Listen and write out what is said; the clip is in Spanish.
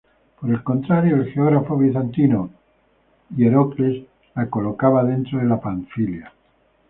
Por el contrario el geógrafo bizantino Hierocles la colocaba dentro de la Panfilia.